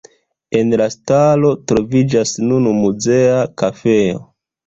En la stalo troviĝas nun muzea kafejo.